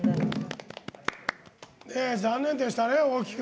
残念でしたね、大木君。